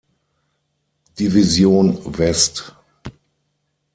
Division West.